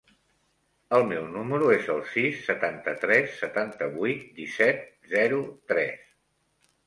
El meu número es el sis, setanta-tres, setanta-vuit, disset, zero, tres.